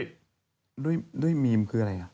หายบันไขมัน่ะนึกแหละนะครับ